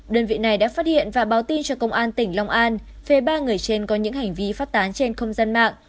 đơn vị này đã phát hiện và báo tin cho công an tỉnh long an về ba người trên có những hành vi phát tán trên không gian mạng